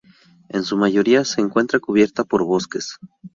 En su mayoría, se encuentra cubierta por bosques.